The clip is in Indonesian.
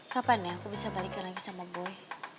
kapan ya aku bisa balikin lagi sama boy